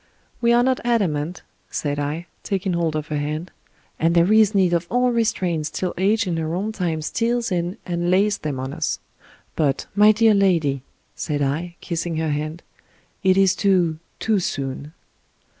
" We are not adamant," said I, taking hold of her hand, " and there is need of all restraints till age in her own time steals in and lays them on us; but, my dear lady," said I, kissing her hand, " it is too — ^too soon."